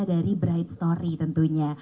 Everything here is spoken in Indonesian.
dari bright story tentunya